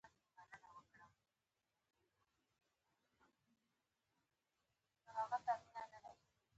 د فزیکي ژبې رازونه